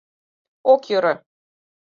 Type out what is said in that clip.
Ок йӧрӧ.